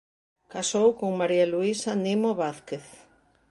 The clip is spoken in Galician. Casou con María Luisa Nimo Vázquez.